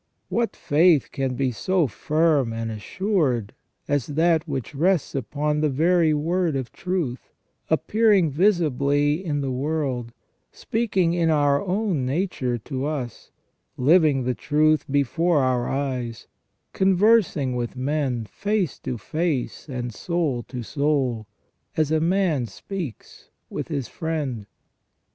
What faith can be so firm and assured as that which rests upon the very Word of Truth, appearing visibly in the world, speaking in our own nature to us, living the truth before our eyes, conversing with men, face to face and soul to soul, as a man speaks with his friend.